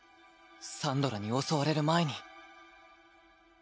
サンドラに襲われる前に。